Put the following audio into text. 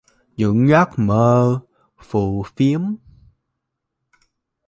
Những giấc mơ phù phiếm